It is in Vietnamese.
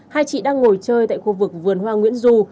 hai chị đang ngồi chơi tại khu vực vườn hoa nguyễn du